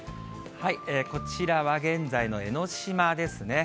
こちらは現在の江の島ですね。